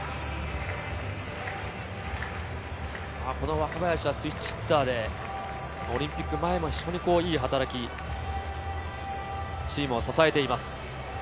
若林はスイッチヒッターでオリンピック前も非常にいい働きで、チームを支えています。